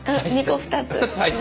２個２つ。